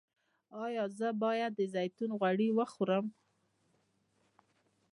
ایا زه باید د زیتون غوړي وخورم؟